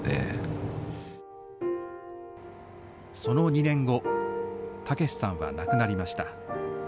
その２年後武さんは亡くなりました。